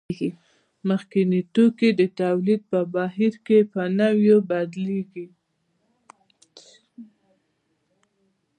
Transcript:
مخکیني توکي د تولید په بهیر کې په نویو بدلېږي